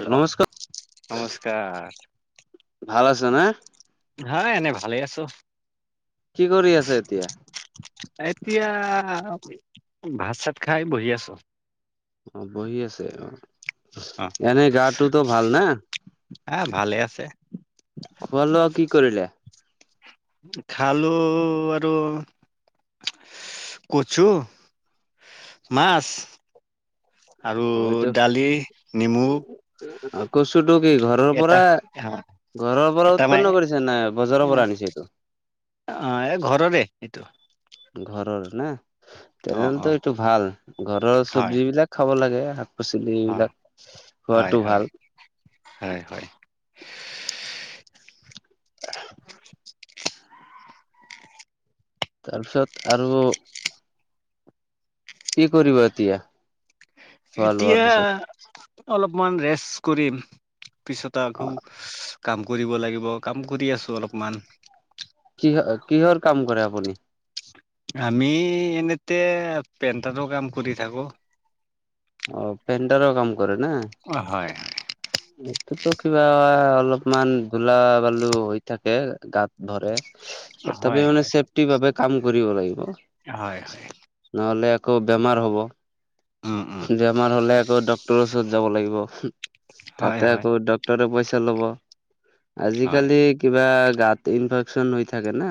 Hello, নমস্কাৰ, নমস্কাৰ। ভাল আছে নে? হয়, এনেই ভালে আছোঁ। কি কৰি আছে এতিয়া? এতিয়া ভাত-চাত খাই বহি আছোঁ। অ', বহি আছে অ'। অ এনেই গাটোতো ভাল না? হা ভালে আছে খোৱা- লোৱা কি কৰিলে? খালোঁ আৰু। কচু, মাছ। আৰু অ এইটো দালি, নিমু। কচুটো কি ঘৰৰ পৰা? ঘৰৰ পৰা এটা মানে উৎপন্ন কৰিছে নে, বজাৰৰ পৰা আনিছে, এইটো? অ', এই ঘৰৰে এইটো। ঘৰৰ না, অ অ তেনেহ'লেতো এইটো ভাল ঘৰৰ হয় সৱজীবিলাক খাব লাগে। পাচলি অ, এইবিলাক খোৱাটো হয়- ভাল। হয়-হয়-হয়- হয়। [inaudible] তাৰপিছত আৰু কি কৰিব এতিয়া? খোৱা লোৱাৰ এতিয়া পিছত? অলপমান ৰেষ্ট কৰিম, পিছত অ আকৌ কাম কৰিব লাগিব, কাম কৰি আছোঁ অলপমান। কিহৰ, কিহৰ কাম কৰে আপুনি? আমি এনেতে পেইণ্টাৰৰ কাম কৰি থাকোঁ। অ', পেইণ্টাৰৰ কাম কৰে না? অ', হয়, হয়। এইটোতো কিবা অলপমান ধূলা-বালু হৈ থাকে গাত। ধৰে, হয়, তথাপি মানে হয়, চেফটি বাবে কাম কৰিব লাগিব। হয়, হয়। নহ'লে আকৌ বেমাৰ হ'ব। উম, উম, বেমাৰ হলে আকৌ ডাক্টৰ ওচৰত যাব লাগিব। হয়, তাতে হয়, আকৌ ডাক ডাক্টৰে পইচা লব। হয়, আজিকালি কিবা গাত ইনফেকচন হৈ থাকে না,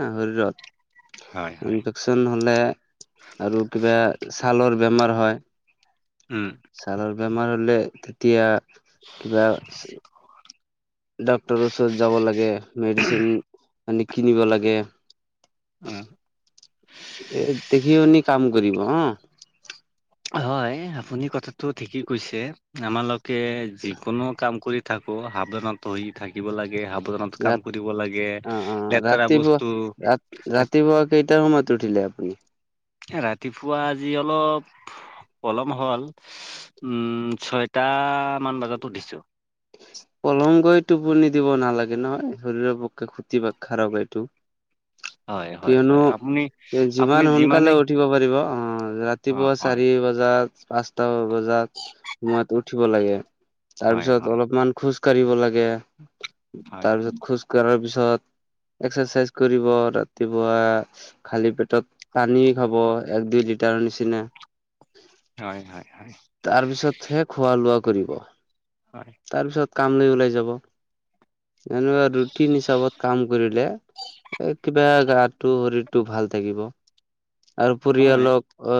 হয়, শৰীৰত হয়। ইনফেকচন হলে আৰু কিবা ছালৰ বেমাৰ হয়। উম। ছালৰ বেমাৰ হলে তেতিয়া কিবা ডাক্তৰৰ ওচৰত যাব লাগে, মেডিচিন আনি কিনিব লাগে। উম। এ দেখি শুনি কাম কৰিব হা। হয় আপুনি কথাটো ঠিকেই কৈছে। আমালোকে যিকোনো কাম কৰি থাকো। সাৱধান হৈ থাকিব লাগে সাৱধান ৰা, অ- অ, বস্তু ৰাতিপুৱা- ৰাতিপুৱা কেইটা সময়ত উঠিলে? উম। ৰাতিপুৱা আজি অলপ পলম হ'ল। উম, ছয়টা, মান বজাত উঠিছো। পলমকৈ টোপনি দিব নালাগে নহয়। শৰীৰৰ পক্ষে যি বা খাৰাব এইটো হয়, হয়, কিয়নো, হয়, আপুনি আপুনি যিমান সোনকালে যিমানেই উঠিব পাৰিব অ, ৰাতি অ', ৰাতিপুৱা হয়। চাৰি বজাত, পাঁচ টা বজাত সময়ত উঠিব লাগে। তাৰপিছত অকমাণ খোজ কাঢ়িব লাগে। তাৰ পিছত খোজ কঢ়াৰ পিছত এক্সাৰচাইজ কৰিব, ৰাতিপুৱা খালী পেটত পানী খাব, এক দুই লিটাৰৰ নিচিনা হয়- হয়- হয় তাৰ পিছতহে খোৱা লোৱা কৰিব। হয়। তাৰ পিছত কাম লৈ ওলাই যাব। এনেকোৱা ৰুটিন হিচাবত কাম কৰিলে কিবা, গাটো শৰীৰটো ভাল থাকিব। আৰু পৰিয়ালক অ,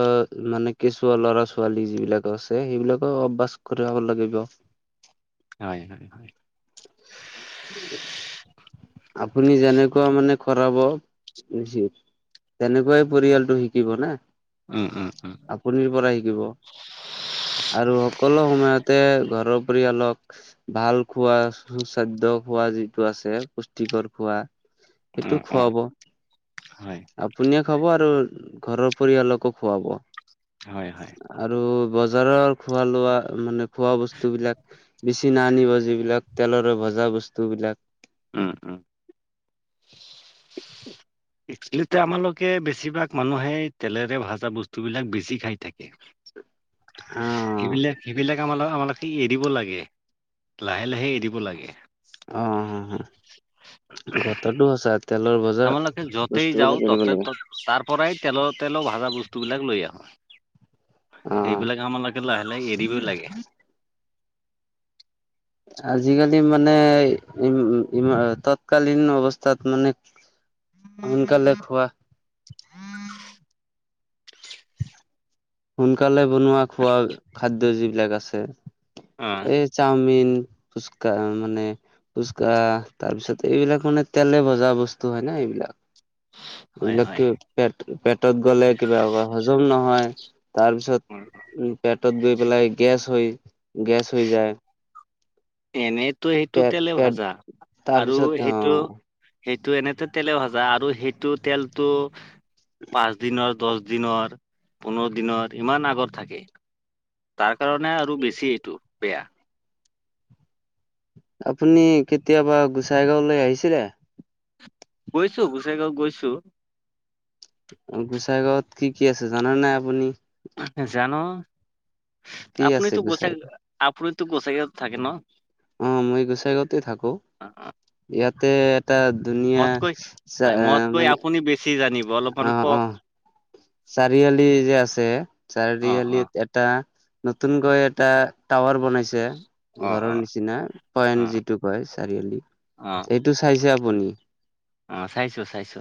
মানে কেঁচুৱা লৰা- ছোৱালী যিবিলাক আছে। সেইবিলাকো অভ্যাস কৰাব লাগিব। হয়- হয়- হয়। [unintelligible] আপুনি যেনেকুৱা মানে কৰাব উচিত তেনেকুৱাই পৰিয়ালটো শিকিব না উম উম উম আপুনিৰ পৰা শিকিব আৰু সকলো সময়তে ঘৰৰ পৰিয়ালক ভাল খোৱা, সুস্বাদ্য় খোৱা যিটো আছে পুষ্টিকৰ খোৱা সেইটো খুৱাব। আপুনিও খাব আৰু ঘৰৰ পৰিয়ালকোঁ খুৱাব। হয় হয় আৰু বজাৰৰ খোৱা লোৱা মানে খোৱা বস্তু বিলাক বেচি নানিব যিবিলাক তেলৰে ভজা বস্তুবিলাক উম উম একচেলি আমালোকে বেছিভাগ মানুহে তেলেৰে ভাজা বস্তু বিলাক বেছি খাই থাকে। [unintelligible] অ সিবিলাক সিবিলাক আ আমালোকে এৰিব লাগে লাহে লাহে এৰিব লাগে। অ অ কথাটো সচা তেলৰ ভযা আমালোকে য'তেই বস্তু যাওঁ বিলাক এৰিব ততে লাগে। তত তাৰ পৰাই তেলৰ তেলৰ ভাজা বস্তু বিলাক লৈ আহো। অ এইবিলাক আমালোকে লাহে লাহে এৰিব‌ই লাগে আজিকালি মানে ই তৎকালীন অৱস্থাত মানে সোনকালে খোৱা সোনকালে বনোৱা খোৱা খাদ্য যিবিলাক আছে অ এই চাওমিন ফুচকা মানে ফুচকা তাৰ পিছত এইবিলাক মানে তেলে ভজা বস্তু হয় ন এইবিলাক হয় এইবিলাক হয় পেট পেটত গ'লে কিবা হজম নহয় তাৰ পিছত উম পেটত গৈ পেলাই গেছ হৈ গেছ হৈ যায় এনেইতো সেইটো পেট তেলে পেট ভাজা আৰু তাৰপিছত অ সেইটো সেইটো এনেতে তেলে ভাজা আৰু সেইটো তেলটো পাঁচ দিনৰ দহ দিনৰ পোন্ধৰ দিনৰ ইমান আগৰ থাকে তাৰ কাৰণে আৰু বেছি এইটো বেয়া আপুনি কেতিয়াবা গোসাইগাঁওলৈ আহিছিলে গৈছো গোচাই গাঁওত গৈছো অ গোচাই গাঁৱত কি কি আছে জানা নে আপুনি জানো কি আছে আপুনিতো গোচাই গোসাইগাঁও? আপুনিতো গোসাঁইগাঁও থাকে ন অ মই গোচাই গাওতে থাকো অ অ ইয়াতে এটা দুনীয়া চ মানে সি জানিব অলপমান অ অ কওক চাৰিআলি যে আছে অ অ চাৰিআলিত এটা নতুনকৈ এটা টাৱাৰ বনাইছে অ অ ঘৰৰ নিচিনা পয়ন অ যিটো কয় চাৰিআলি অ সেইটো চাইছে আপুনি অ চাইছো চাইছো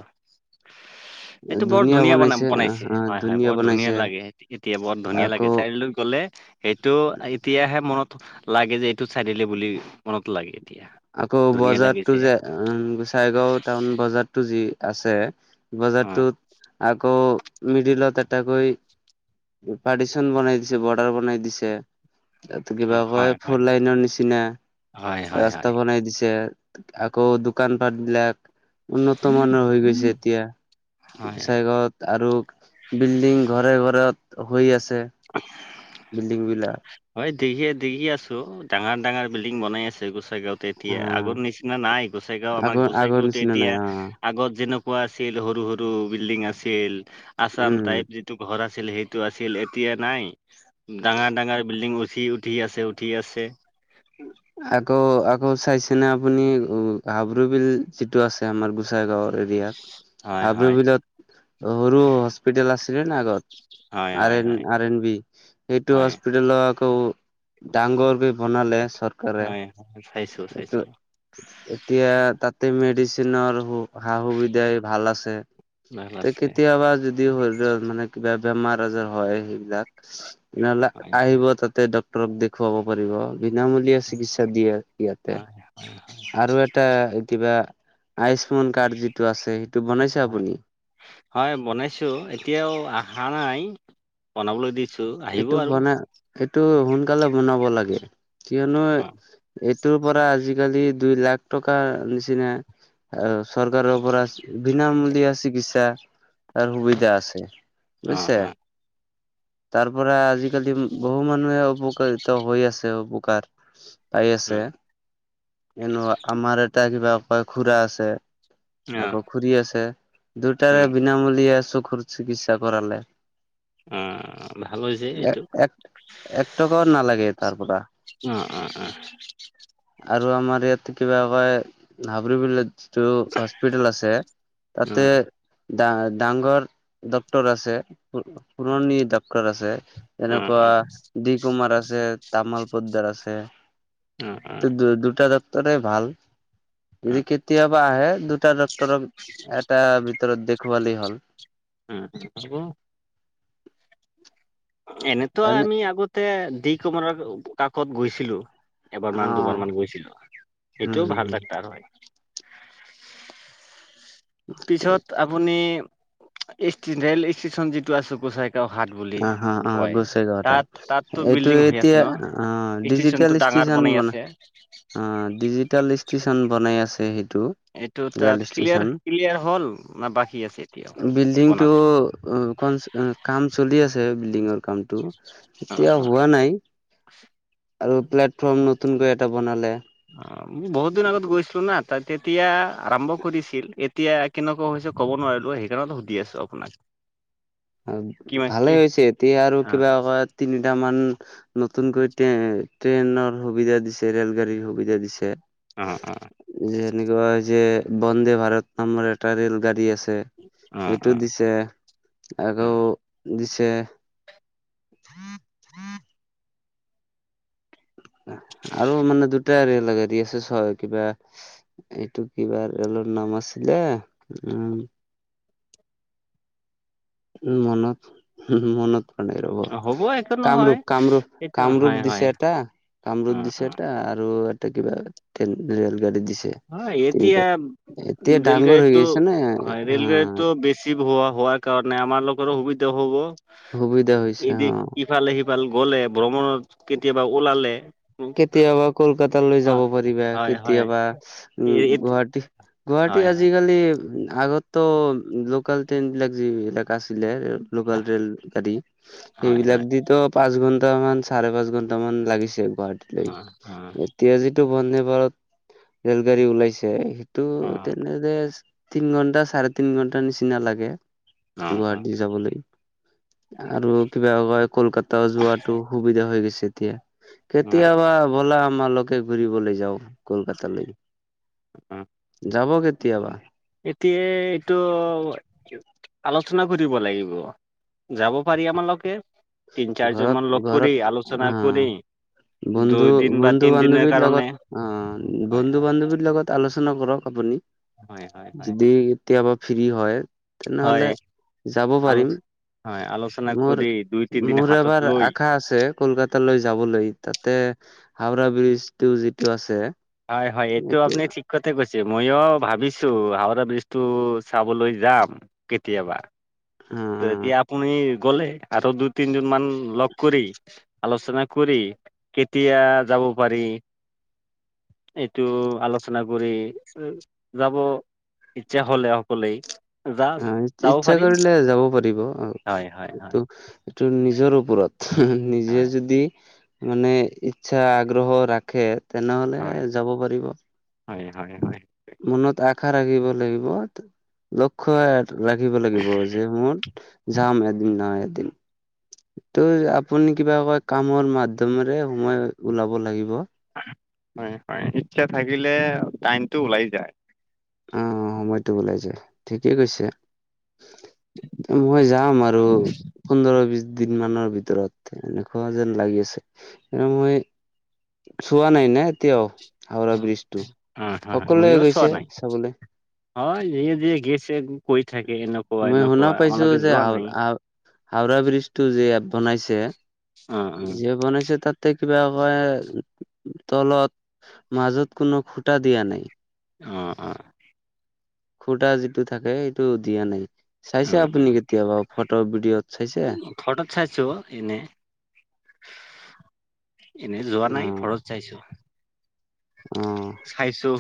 সেইটো বৰ ধুনীয়া বনাম বনাইছে হয় হয় বৰ ধুনীয়া লাগে এতিয়া বৰ ধুনীয়া লাগে আকৌ চাৰিআলিলৈ গলে সেইটো এতিয়াহে মনত লাগে যে এইটো চাৰিয়ালি বুলি মনত লাগে এতিয়া আকৌ ধুনীয়া বজাৰতো লাগিছে যে গোচাইগাঁও টাউন বজাৰতটো যি আছে অ বজাৰটোত আকৌ দুই দিনত এটাকৈ পাৰ্টিচন বনাই দিছে, বৰ্ডাৰ বনাই দিছে। তাতে অ কিবা কয় হয় ফুল হয় লাইনৰ নিচিনা হয় হয় ৰাত হয় বনাই দিছে। আকৌ দোকান পাট বিলাক উন্নত মানৰ হৈ গৈছে এতিয়া হয় গোচাই গাঁৱত। আৰু বিল্ডিং ঘৰে ঘৰে হৈ আছে, বিল্ডিং বিলাক। হয় ঠিকে ঠিকে আছো ডাঙৰ ডাঙৰ বিল্ডিং বনাই আছে, গোচাই গাঁৱত। অ তেতিয়া আগৰ নিচিনা নাই গোচাই গাওঁ, আমাৰ আগৰ আগৰ গোচাইগাও নিচিনা তেতিয়া নাই অ আগত যেনেক কোৱা আছিল সৰু সৰু বিল্ডিং আছিল, আছাম উম টাইপ টো ঘৰ আছিল সেইটো আছিল এতিয়া নাই। ডাঙৰ ডাঙৰ [unintelligible] উঠি উঠি আছে উঠি আছে। আকৌ আকৌ চাইছে ন আপুনি হাবৰু বিল যিটো আছে আমাৰ গোচাই গাঁওৰ এতিয়া হয় হাবৰু হয় বিলত সৰু হস্পিটেল আছিল নে নাই আগত। হয় আৰ হয় এন হয় আৰ এন বি এইটো হয় হস্পিটল আকৌ। ডাঙৰ কৈ বনালে। চৰকাৰে হয় হয় চাইছোঁ এইটো চাইছোঁ। এতিয়া তাতে মেডিচিনৰ হুক সা সুবিধাই ভাল আছে ভাল তে আছে কেতিয়াবা যদি শৰীৰিত মানে কিবা বেমাৰ আজাৰ হয় সেইবিলাক তেনেহলে হয় আহিব তাতে ড দেখুৱাব পাৰিব। বিনামূলীয়া চিকিৎসা দিয়ে ইয়াতে। হয় হয় আৰু এটা কিবা আয়ুস্মান কাৰ্ড যিটো আছে সেইটো বনাইছে হয় আপুনি? হয় বনাইছোঁ, এতিয়াও অহা নাই বনাবলৈ দিছোঁ। এইটো বনাই এইটো সোনকালে বনাব লাগে। কিয়নো অ এইটোৰ পৰা আজিকালি দুই লাখ টকা নিচিনা আৰু চৰকাৰৰ পৰা বিনামূলীয়া চিকিৎসা। সা সুবিধা আছে, অ অ বুজিছে। তাৰ পৰা আজিকালি বহু মানুহে উপকাৰিত হৈ আছে, উপকাৰ পাই অ অ আছে। এনো আমাৰ এটা কিবা খুৰা আছে। আকৌ খুৰী আছে অ দুটাৰে বিনামূলীয়া চকুৰ চিকিৎসা কৰালে। অঁ ভাল হৈছে এইটো। এক এক টকাও নালাগে তাৰ পৰা অ', অ', অ', আৰু আমাৰ ইয়াত কিবা কয় হাবৰিবিল যটো হস্পিটেল আছে, অ তাতে ডা ডাঙৰ ডক্টৰ আছে পুৰণি ডক্টৰ আছে। অ অ তেনেকুৱা অ দি কুমাৰ আছে তামল পদদাৰ আছে। অ অ দুটা ডাক্টৰে ভাল। অ, যদি কেতিয়াবা আহে দুটা ডাক্টৰক এটা ভিতৰত দেখুৱালেই হ'ল। উম উম এনেতো এনে আমি আগতে দি কমাৰ কাকত গৈছিলোঁ। অ এবাৰমান দুবাৰ মান গৈছিলোঁ, উম সেইটোও ভাল হম ডাক্তাৰ হয়। পিছত আপুনি ইষ্ট ৰেল ষ্টেচন যিটো আছে, কোচাক অ', হা অ', গুছে গা তাত তাততো এইটো বিল্ডিং হৈ আছে এতিয়া ন আহ ডিজিটেল ষ্টেচনটো ডাঙৰ ষ্টেচন বনাই বন আছে অ ডিজিটেল ষ্টেচন বনাই আছে সেইটো। এইটো ৰেল তাত ক্লিয়াৰ ষ্টেচন ক্লিয়াৰ হ'ল ন বাকী আছে এতিয়া, বনাব। উম, ক কাম চলি আছে বিল্ডিঙৰ কাম টো অ এতিয়া হোৱা নাই আৰু প্লেটফৰ্ম নতুনকৈ এটা বনালে অ', মই বহুত দিন আগত গৈছিলো না ত তেতিয়া আৰম্ভ কৰিছিল এতিয়া কেনেকুৱা হৈছে কব নোৱাৰিলো সেইকাৰণত সুধি আছো আপোনাক কিমান কি ভালেই হৈছে এতিয়া আৰু অ কিবা এ তিনিটামান নতুনকৈ ট্ৰেইনৰ সুবিধা দিছে ৰেল গাড়ীৰ সুবিধা দিছে অ অ যে এনেকুৱা যে বন্দে ভাৰত নামৰ এটা ৰেল গাড়ী আছে। অ সেইটো অ দিছে আৰু দিছে উম, আৰু মানে দুটা ৰেল গাড়ী আছে ছয় কিবা এইটো কিবা ৰেলৰ নাম আছিলে উম, মনত মনত ৰব অ হ'ব একো নহয় কামৰূপ কামৰূপ এইটো কামৰূপ হয় হয় দিছে এটা অ কামৰূপ অ দিছে এটা আৰু এটা কিবা তে ৰেল গাড়ী দিছে হয় তিনিটা এতিয়া এতিয়া ডাঙৰ হৈ ৰেলগাড়ীটো গৈছে নে হয় অ ৰেলগাড়ীটো বেছি বেছি হোৱাৰ কাৰণে আমাৰ লোকৰো সুবিধা হব সুবিধা হৈছে অ এই ইফালে সিফালে গলে ভ্ৰমণত কেতিয়াবা ওলালে উম, কেতিয়াবা কলকাতালৈ যাব হয় পাৰিবা হয় হয় কেতিয়াবা উম এ- এত- গুৱাহাটী গুৱাহাটী হয় হয় আজিকালি আগত ত' লোকেল ট্ৰেইন বিলাক যিবিলাক আছিলে লোকেল ৰেল গাড়ী হয় হয় সেইবিলাক দিতো পাঁচ ঘন্টা মান চাৰে পাঁচ ঘন্টা মান লাগিছে গুৱাহাটী অ অ এতিয়া যিটো বন্দেভাৰত ৰেল গাড়ী ওলাইছে তটো অ তেনেদৰে তিন ঘন্টা চাৰে তিন ঘন্টা নিচিনা লাগে অ অ গুৱাহাটী যাবলৈ আৰু কিবা কয় কলকাতা যোৱাতো সুবিধা হৈ গৈছে তিয়া অ কেতিয়াবা ব'লা আমালকে ঘুৰিবলৈ যাও কলকাতালৈ অ যাব কেতিয়াবা এতিয়া এইটো আলোচনা কৰিব লাগিব যাব পাৰি আমালোকে তিন চাৰিজন ঘৰত মান লগ কৰি ঘৰত অ আলোচনা কৰি বন্ধু, দুইদিন বা তিনদিনৰ বন্ধু-বান্ধৱীৰ কাৰণে লগত অ' হয় হয় বন্ধু-বান্ধৱীৰ লগত আলোচনা কৰক আপুনি হয় হয় হয় যদি কেতিয়াবা ফ্ৰী হয়। হয় তেনেহলে যাব আলো পাৰিম হয় আলোচনা কৰি মোৰ- দুই তিনদিন মোৰ হাতত এবাৰ লৈ আশা আশা আছে কলকাতালৈ যাবলৈ তাতে হাওৰা ব্ৰীজটো যিটো আছে হয়, হয় এইটো আপনি থিক কতে কৈছে মইয়ো ভাবিছো হাওৰা ব্ৰীজটো চাবলৈ যাম কেতিয়াবা। ত' অ তেতিয়া আপুনি গলে আৰু দুই তিনজন মান লগ কৰি আলোচনা কৰি কেতিয়া যাব পাৰি। এইটো আলোচনা কৰি যাব। ইচ্ছা হলে অকলেই অ' ইচ্ছা কৰিলে যাব পাৰিব অ', হয়' হয়' হয়। এইটো নিজৰ ওপৰত নিজে হয় যদি মানে ইচ্ছা আগ্ৰহ ৰাখে তেনেহলে হয় যাব পাৰিব। হয় হয় হয়। মনত আশা ৰাখিব লাগিব। লক্ষ্য ৰাখিব লাগিব যে মোৰ, যাম এদিন নহয়, এদিন। ত' আপুনি কিবা কয়, কামৰ মাধ্যমেৰে সময় ওলাব লাগিব। হয়- হয় ইচ্ছা থাকিলে। টাইমটো ওলাই যায়। অ, অ, ' সময়তটো ওলাই যায়, ঠিকেই কৈছে। মই যাম আৰু পোন্ধৰ বিশ দিন মানৰ ভিতৰত। এনেকুৱা যেন লাগি আছে এ মই চোৱা নাই না এতিয়াও হাওৰা অ ব্ৰিজটো। অ', হয়, হয়, সকলোৱে ময়ো চোৱা গৈছে নাই। চাবলৈ। হয়, যিয়ে- যিয়ে গেছে কই থাকে এনেকুৱা। মই শুনা এনেকুৱা পাইছো আমালোকে যে যোৱা হাও- নাই। হাও হাওৰা ব্ৰীজ টো যিয়ে বনাইছে অ', অ', বনাইছে, তাতে কিবা কয় তলত মাজত কোনো খুটা দিয়া নাই। অ', অ'। খুটা যিটো থাকে, সেইটো দিয়া নাই। চাইছে অ', আপুনি অ', কেতিয়াবা ফটো, ভিডিঅ'ত, চাইছে? [inaudible] ঘৰতত চাইছো এনে এনে যোৱা নাই, অ', ঘৰত চাইছো, অ'। চাইছো।